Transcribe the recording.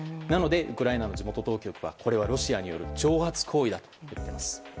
なので、ウクライナの地元当局はこれはロシアによる挑発行為だと言っています。